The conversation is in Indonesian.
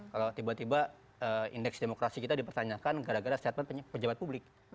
kalau tiba tiba indeks demokrasi kita dipertanyakan gara gara statement pejabat publik